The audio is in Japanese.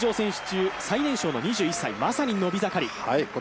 出場選手中最年少の２１歳、まさに伸び盛り。